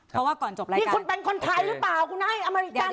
เพราะว่าก่อนจบแล้วนี่คุณเป็นคนไทยหรือเปล่าคุณให้อเมริกัน